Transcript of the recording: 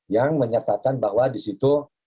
yang menyatakan bahwa disitu